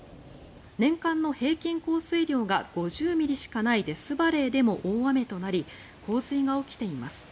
年間の平均降水量が５０ミリしかないデスバレーでも大雨となり洪水が起きています。